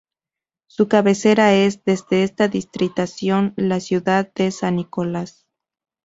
Su cabecera es, desde esta distritación, la ciudad de San Nicolás.